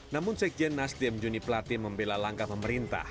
namun sekjen nasdi mjuni platin membela langkah pemerintah